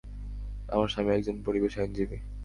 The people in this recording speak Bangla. আমার স্বামী একজন পরিবেশ আইনজীবী।